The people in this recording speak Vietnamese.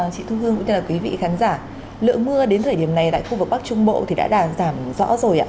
chị thu hương quý vị khán giả lượng mưa đến thời điểm này tại khu vực bắc trung bộ thì đã giảm rõ rồi ạ